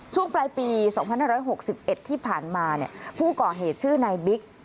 ช่วงปลายปี๒๕๖๑ที่ผ่านมาผู้ก่อเหตุชื่อนายบิ๊ก